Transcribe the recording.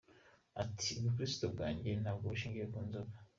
Ati " Ubukirisito bwanjye ntabwo bushingiye ku nzoga!.